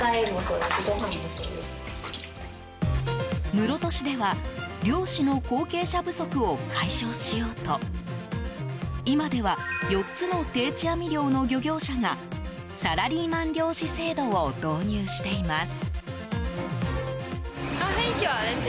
室戸市では漁師の後継者不足を解消しようと今では４つの定置網漁の漁業者がサラリーマン漁師制度を導入しています。